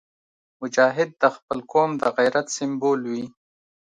مجاهد د خپل قوم د غیرت سمبول وي.